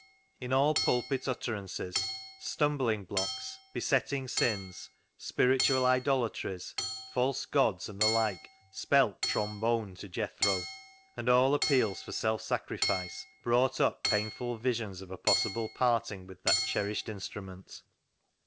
In all pulpit utter ances, " stumbling blocks," " besetting sins," " spiritual idolatries," " false gods," and the like spelt " trombone " to Jethro, and all appeals for self sacrifice brought up painful visions of a possible parting with that cherished instrument.